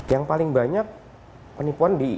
yang paling banyak penipuan di